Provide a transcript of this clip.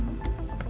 ya sama sekali